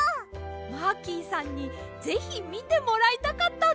マーキーさんにぜひみてもらいたかったんです！